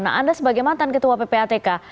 nah anda sebagai mantan ketua ppatk